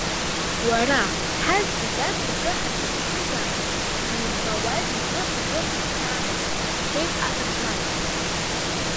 Уара, ҳаззегь ас акы ҳазыԥшызаарын, иумбауа, зегь ҳгәы ҳханаршҭит, — иҳәеит аҭаҳмада.